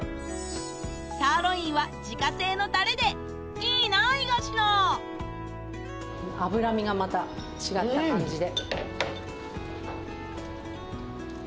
サーロインは自家製のたれでいいな東野脂身がまた違った感じで。